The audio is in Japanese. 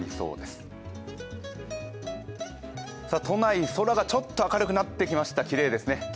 都内、空がちょっと明るくなってきました、きれいですね。